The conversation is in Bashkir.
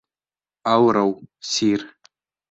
Ауырыу, сир.